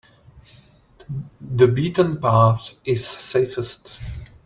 The beaten path is safest.